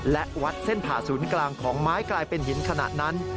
และวัดเส้นผ่าศูนย์กลางของไม้กลายเป็นหินขนาดนั้น